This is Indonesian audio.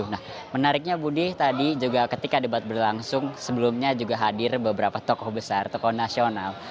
nah menariknya budi tadi juga ketika debat berlangsung sebelumnya juga hadir beberapa tokoh besar tokoh nasional